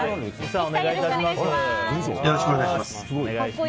三木さんよろしくお願いします。